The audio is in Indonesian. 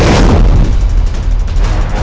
itu dia rangga soka